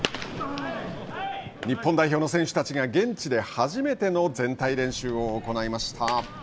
日本代表の選手たちが現地で初めての全体練習を行いました。